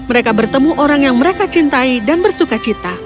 mereka bertemu orang yang mereka cintai dan bersuka cita